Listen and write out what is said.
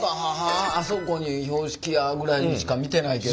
「あそこに標識や」ぐらいにしか見てないけど。